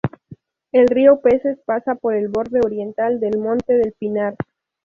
El río Peces pasa por el borde oriental del Monte del Pinar.